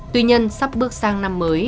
tuy nhiên sắp bước sang năm mới